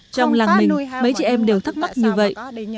trong làng mình mấy chị em đều thắc mắc như vậy